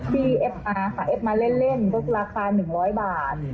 ที่เอฟมาเอฟมาเล่นก็ราคา๑๐๐บาท